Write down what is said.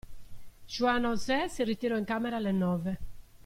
Juan José si ritirò in camera alle nove.